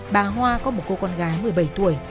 bà hoa có một cô con gái một mươi bảy tuổi